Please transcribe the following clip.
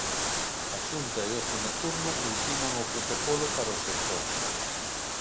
A Xunta e o ocio nocturno ultiman o protocolo para o sector.